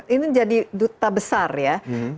ini jadi duta besar ya